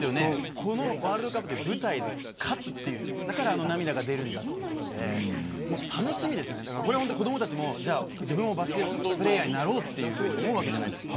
このワールドカップの舞台で勝つという、だからあの涙が出るんだということで子どもたちも、自分もバスケットプレーヤーになろうと思うわけじゃないですか。